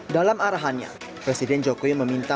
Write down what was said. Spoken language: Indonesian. dalam arahannya presiden joko widodo meminta